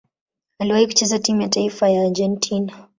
Aliwahi kucheza timu ya taifa ya Argentina.